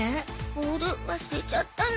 ボール忘れちゃったの